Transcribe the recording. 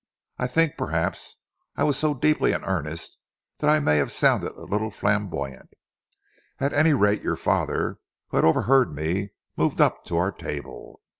I think, perhaps, I was so deeply in earnest that I may have sounded a little flamboyant. At any rate, your father, who had overheard me, moved up to our table.